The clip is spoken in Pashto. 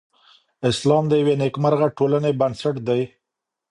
اسلام د یوې نېکمرغه ټولنې بنسټ دی.